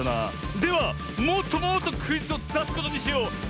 ではもっともっとクイズをだすことにしよう！